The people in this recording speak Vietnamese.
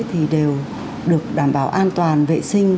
thì đều được đảm bảo an toàn vệ sinh